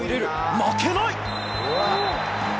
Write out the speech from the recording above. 負けない！